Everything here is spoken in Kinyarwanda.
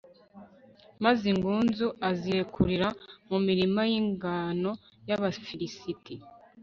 maze ingunzu azirekurira mu mirima y'ingano y'abafilisiti